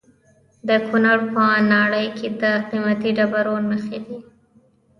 د کونړ په ناړۍ کې د قیمتي ډبرو نښې دي.